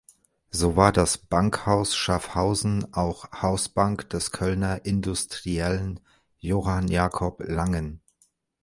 So war das Bankhaus Schaaffhausen auch Hausbank des Kölner Industriellen Johann Jakob Langen.